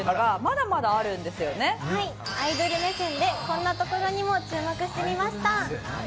アイドル目線でこんなところにも注目してみました。